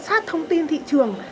sát thông tin thị trường